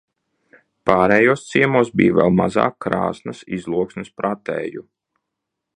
Pārējos ciemos bija vēl mazāk Krāsnas izloksnes pratēju.